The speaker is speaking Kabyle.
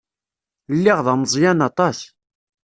Lliɣ d ameẓyan aṭas.